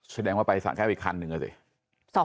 แสดงว่าไปสะแก้วอีกคันนึงสิ